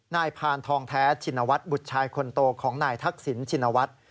นายพานทองแท้ชินวัฒน์บุตรชายคนโตของนายทักษิณชินวัฒน์